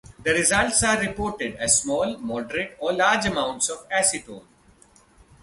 The results are reported as small, moderate, or large amounts of acetone.